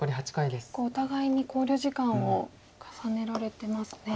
結構お互いに考慮時間を重ねられてますね。